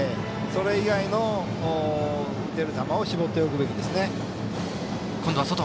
それ以外の打てる球を絞っておくべきでしょうね。